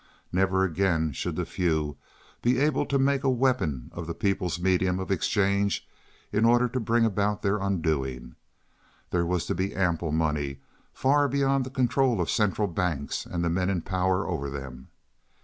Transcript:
Never again should the few be able to make a weapon of the people's medium of exchange in order to bring about their undoing. There was to be ample money, far beyond the control of central banks and the men in power over them.